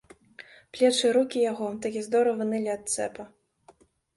Плечы і рукі яго такі здорава нылі ад цэпа.